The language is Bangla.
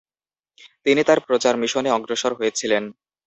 তিনি তার প্রচার মিশনে অগ্রসর হয়েছিলেন।